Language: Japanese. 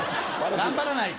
「頑張らないと」